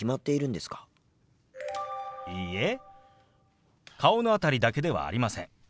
いいえ顔の辺りだけではありません。